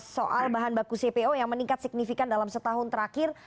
soal bahan baku cpo yang meningkat signifikan dalam setahun terakhir